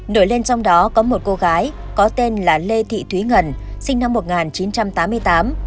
nổi lên trong đó có một cô gái có tên là lê thị thúy ngân sinh năm một nghìn chín trăm tám mươi tám